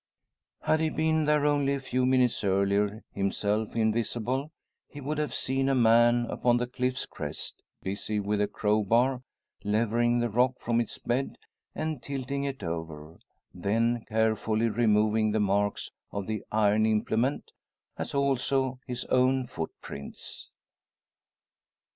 Had he been there only a few minutes earlier, himself invisible, he would have seen a man upon the cliff's crest, busy with a crowbar, levering the rock from its bed, and tilting it over then carefully removing the marks of the iron implement, as also his own footprints!